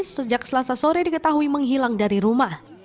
sejak selasa sore diketahui menghilang dari rumah